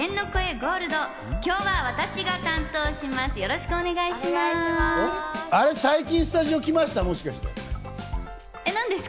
ゴールド、今日は私が担当します。